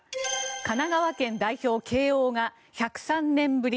神奈川県代表、慶応が１０３年ぶり